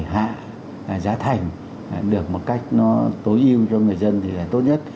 để hạ giá thành được một cách nó tối yêu cho người dân thì là tốt nhất